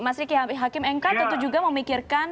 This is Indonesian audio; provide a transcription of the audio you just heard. mas ricky hakim mk tentu juga memikirkan